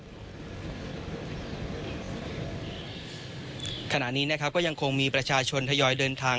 ยธยาทุ่มมีข่าวไทยรัททีวีรายงาน